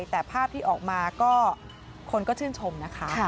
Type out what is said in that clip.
แต่ภาพที่ออกมาก็คนก็ชื่นชมนะคะ